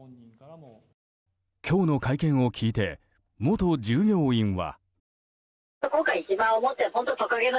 今日の会見を聞いて元従業員は。